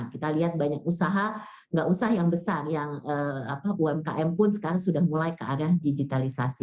kita lihat banyak usaha nggak usah yang besar yang umkm pun sekarang sudah mulai ke arah digitalisasi